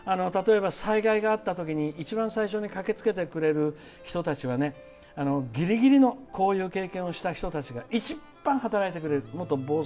たとえば、災害になったときに一番最初に駆けつけてくれる人たちはギリギリのこういう経験をした人たちが一番、働いてくれる。